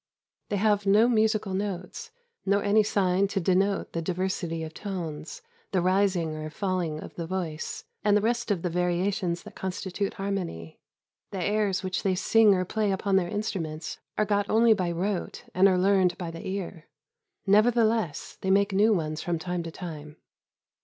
They have no musical notes, nor any sign to denote the diversity of tones, the rising or falHng of the voice, and the rest of the variations that constitute harmony. The airs which they sing or play upon their instruments are got only by rote and are learned by the ear. Never theless, they make new ones from time to time.